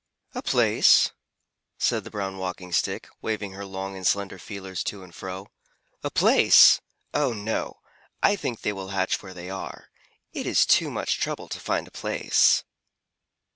"A place?" said the Brown Walking Stick, waving her long and slender feelers to and fro. "A place? Oh, no! I think they will hatch where they are. It is too much trouble to find a place."